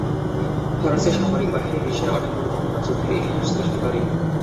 ফরাসী সামরিক বাহিনী বিশ্বের অনেক গুরুত্বপূর্ণ যুদ্ধের ইতিহাস সৃষ্টিকারী।